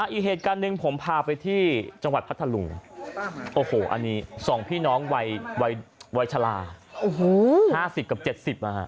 อีเหตุการณ์หนึ่งผมพาไปที่จังหวัดพัทธาลุงสองพี่น้องวัยชรา๕๐กับ๗๐มา